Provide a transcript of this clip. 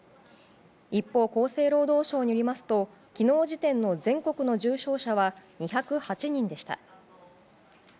一方、厚生労働省によりますと昨日時点の全国の重症者は２０８人でした。